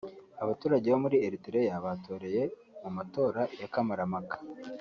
Abaturage bo muri Eritrea batoreye mu matora ya kamarampaka